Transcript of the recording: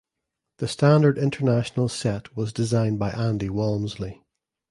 The standard international set was designed by Andy Walmsley.